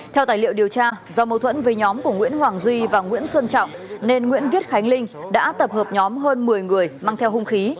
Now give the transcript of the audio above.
theo tài liệu điều tra do mâu thuẫn với nhóm của nguyễn hoàng duy và nguyễn xuân trọng nên nguyễn viết khánh linh đã tập hợp nhóm hơn một mươi người mang theo hung khí